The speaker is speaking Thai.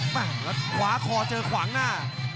มาแล้วคว้าคอเจอขวางหน้า